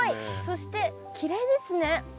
そしてきれいですね。